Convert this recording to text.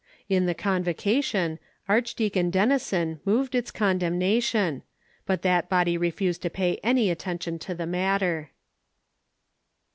In the Convocation, Archdeacon Denison moved its condem nation, but tliat body refused to pay any attention to the matter.